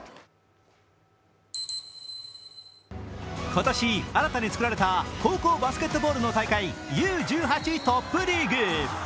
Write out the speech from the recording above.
今年新たに作られた高校バスケットボールの大会、Ｕ１８トップリーグ。